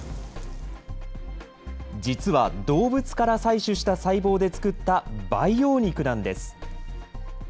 実は動物から採取した細胞で作った培養肉なんです。